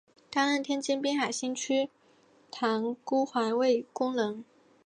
担任天津滨海新区塘沽环卫工人。